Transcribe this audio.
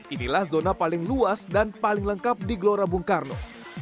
inilah zona paling luas dan paling lengkap di gelora bung karno